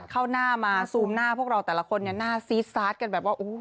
เข้าหน้ามาซูมหน้าพวกเราแต่ละคนหน้าซีซาร์ทกันแบบว่าโอ้โฮ